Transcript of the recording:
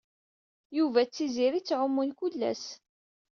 Yuba d Tiziri ttɛumun kullas.